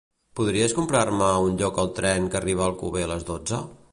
Podries comprar-me un lloc al tren que arriba a Alcover a les dotze?